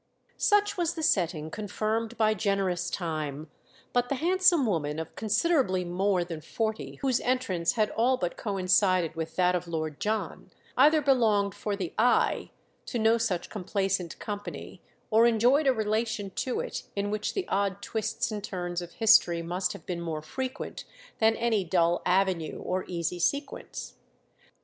Such was the setting confirmed by generous time, but the handsome woman of considerably more than forty whose entrance had all but coincided with that of Lord John either belonged, for the eye, to no such complacent company or enjoyed a relation to it in which the odd twists and turns of history must have been more frequent than any dull avenue or easy sequence.